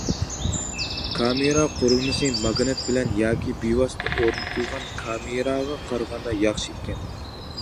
كامېرا قۇرۇلمىسى ماگنىت بىلەن ياكى بىۋاسىتە ئورنىتىلغان كامېراغا قارىغاندا ياخشى ئىكەن.